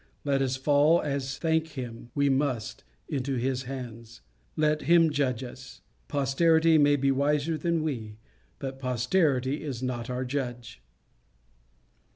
Let us fall, as, thank him, we must, into his hands. Let him judge us. Posterity may be wiser than we; but posterity is not our judge.